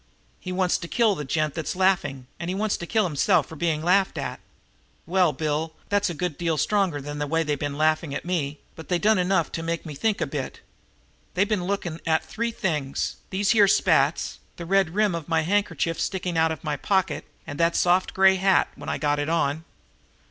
He wants to kill the gent that's laughing, and he wants to kill himself for being laughed at. Well, Bill, that's a good deal stronger than the way they been laughing at me, but they done enough to make me think a bit. They been looking at three things these here spats, the red rim of my handkerchief sticking out of my pocket, and that soft gray hat, when I got it on."